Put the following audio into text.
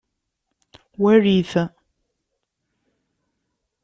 Walit.